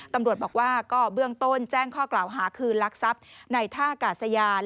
ตำรวจบอกว่าก็เบื้องต้นแจ้งข้อกล่าวหาคืนลักทรัพย์ในท่ากาศยาน